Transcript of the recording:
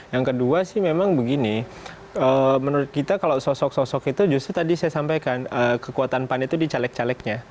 yang kedua sih memang begini menurut kita kalau sosok sosok itu justru tadi saya sampaikan kekuatan pan itu di caleg calegnya